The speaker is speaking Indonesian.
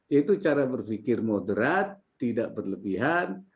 yaitu cara berpikir moderat tidak berlebihan